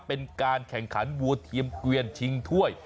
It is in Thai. เป็นการแข่งขันวัวเทียมเกวียนชิงถ้วย